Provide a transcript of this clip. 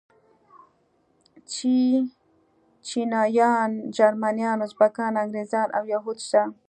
چيچنيايان، جرمنيان، ازبکان، انګريزان او يهود شته.